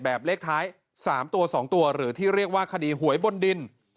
เลขท้าย๓ตัว๒ตัวหรือที่เรียกว่าคดีหวยบนดิน